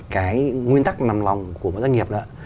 cái nguyên tắc nằm lòng của một doanh nghiệp đó